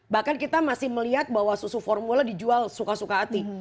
bahkan kita masih melihat bahwa susu formula dijual suka suka hati